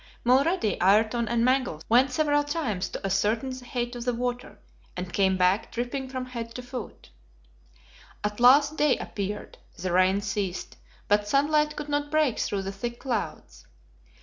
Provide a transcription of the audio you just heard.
Mulrady, Ayrton and Mangles went several times to ascertain the height of the water, and came back dripping from head to foot. At last day appeared; the rain ceased, but sunlight could not break through the thick clouds.